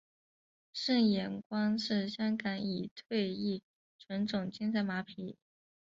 胜眼光是香港已退役纯种竞赛马匹。